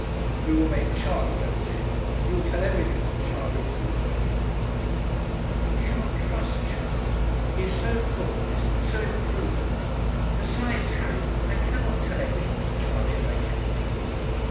'We will make Charley go to him. He will tell everything to Charley, if he will to anyone.' 'We cannot trust Charley; he is so thoughtless, so imprudent. Besides, Harry, I cannot tell everything to Charley as I can to you.